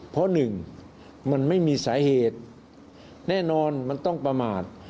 เพราะหนึ่งมันไม่มีสาเหตุแน่นอนมันต้องประมาท